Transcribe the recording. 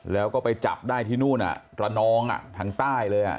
แล้วก็ไปจับได้ที่นู่นระนองทางใต้เลย